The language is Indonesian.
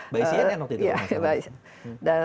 bayisian enak gitu